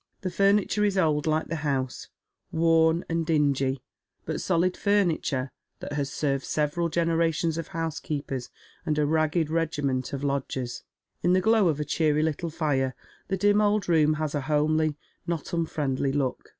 The furniture is old like the house, worn and dingy, but solid furni ture that has served several generations of housekeepers and a ragged regiment of lodgers. In the glow of a cheeiy little fire the dim old room has a homely, not unfriendly look.